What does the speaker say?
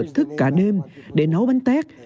thức cả đêm để nấu bánh tét